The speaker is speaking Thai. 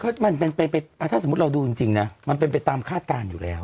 ถ้าสมมติเราดูจริงมันเป็นไปตามคาดการณ์อยู่แล้ว